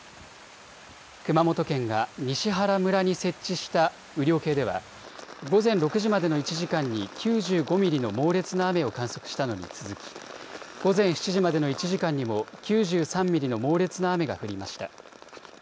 熊本県が西原村に設置した雨量計では午前６時までの１時間に９５ミリの猛烈な雨を観測したのに続き午前７時までの１時間にも９３ミリの猛烈な雨が降りました。